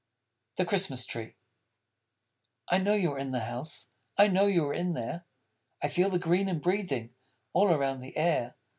The Christmas Tree I know you're in the house; I know you are in there; I feel the green and breathing All around the air.